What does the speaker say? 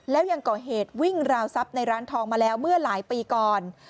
แล้วยังก่อเหตุวิ่งราวทรัพย์ในร้านทองมาแล้วเมื่อหลายปีก่อน